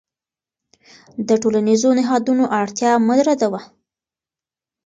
د ټولنیزو نهادونو اړتیا مه ردوه.